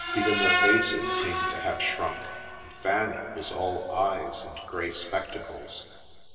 Even Qieir faces seemed to have shrunk, and Fanny was all eyes and grey spectacles.